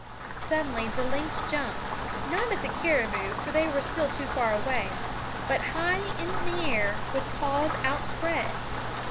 Suddenly the lynx jumped, not at the caribou, for they were still too far away, but high in the air with paws outspread.